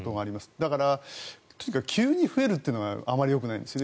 だから、とにかく急に増えるというのがあまりよくないんですね。